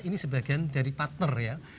ini sebagian dari partner ya